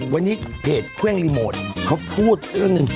วันนี้เพจเครื่องรีโมทเขาพูดเรื่องหนึ่ง